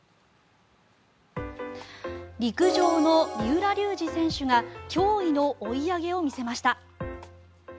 陸上の三浦龍司選手が驚異の追い上げを見せました。